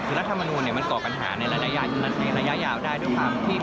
คือรัฐมนูลมันก่อปัญหาในระยะยาวได้ด้วยความที่